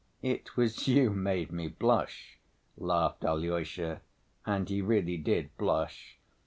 "It was you made me blush," laughed Alyosha, and he really did blush.